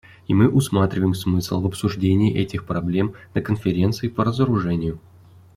И мы усматриваем смысл в обсуждении этих проблем на Конференции по разоружению.